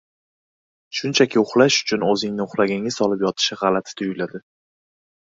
Shunchaki uxlash uchun oʻzingni uxlaganga solib yotish gʻalati tuyuladi.